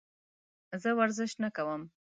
زه ورزش نه کوم.